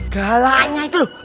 galaknya itu loh